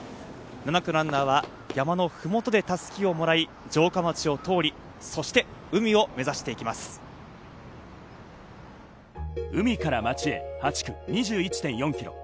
７区のランナーは山の麓で襷をもらい、城下町を通り、そして海を目指し海から町へ８区２１．４ｋｍ。